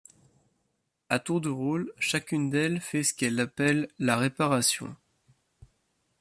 À tour de rôle chacune d’elles fait ce qu’elles appellent la réparation.